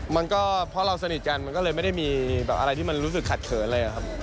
มันก็เพราะเราสนิทกันมันก็เลยไม่ได้มีแบบอะไรที่มันรู้สึกขัดเขินเลยครับ